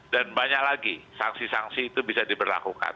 dan banyak lagi sanksi sanksi itu bisa diberlakukan